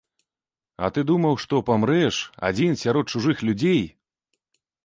А ты думаў, што памрэш, адзін сярод чужых людзей?